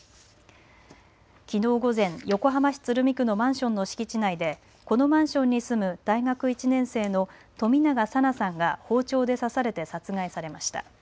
きのう午前、横浜市鶴見区のマンションの敷地内でこのマンションに住む大学１年生の冨永紗菜さんが包丁で刺されて殺害されました。